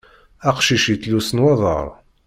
Aqcic yettlus nwaḍar.